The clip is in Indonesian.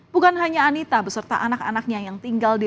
bukan hanya anita beserta anak anaknya yang tinggal di